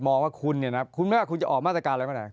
มองว่าคุณเนี่ยนะครับคุณจะออกมาตรกาลอะไรมาแหละ